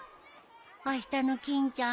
あしたの欽ちゃん